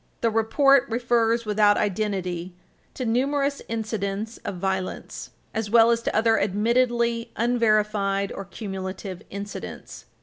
The report refers, without identity, to "numerous incidents of violence," as well as to other admittedly unverified or cumulative incidents.